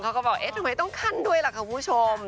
เขาบอกเอ๊ะทำไมต้องขั้นด้วยล่ะค่ะคุณผู้ชม